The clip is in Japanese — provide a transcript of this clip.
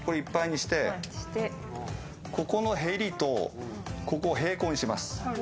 ここのヘリと平行にします。